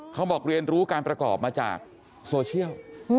เรียนรู้การประกอบมาจากโซเชียล